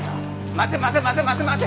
待て待て待て待て待て。